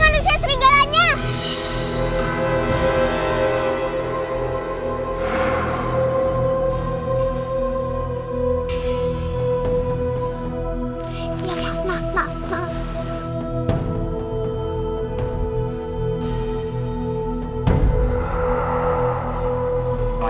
manisya serigalanya kemana